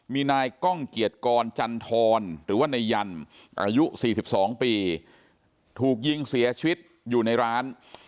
มีนายก้องเกียรติกรจันทรหรือว่านายยันอายุ๔๒ปีถูกยิงเสียชีวิตอยู่ในร้าน